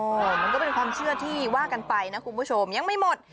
มันก็เป็นความเชื่อที่ว่ากันไปนะคุณผู้ชมยังไม่หมด